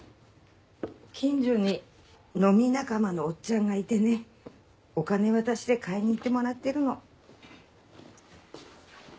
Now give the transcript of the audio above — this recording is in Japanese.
近所に飲み仲間のおっちゃんがいてねお金渡して買いに行ってもらってるの。